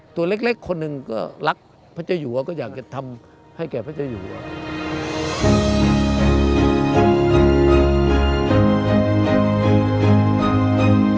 ตัวเล็กคนหนึ่งก็รักพระเจ้าหัวก็อยากจะทำ